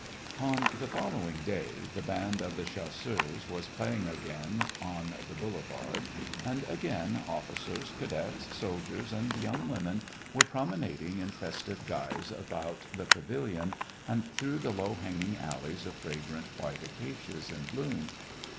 On the following day, the band of the chasseurs was playing again on the boulevard, and again officers, cadets, soldiers, and young women were promenading in festive guise about the pavilion and through the low hanging alleys of fragrant white acacias in bloom.